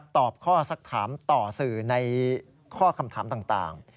ตอบข้อสักถามต่อสื่อในข้อคำถามต่าง